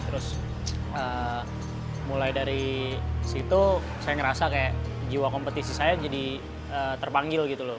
terus mulai dari situ saya ngerasa kayak jiwa kompetisi saya jadi terpanggil gitu loh